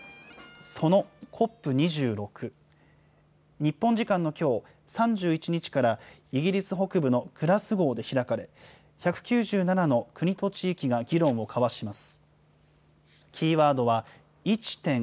日本時間のきょう３１日からイギリス北部のグラスゴーで開かれ、１９７の国と地域が議論を交わします。